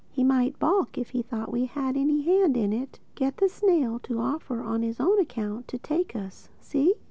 "He might balk if he thought we had any hand in it. Get the snail to offer on his own account to take us. See?"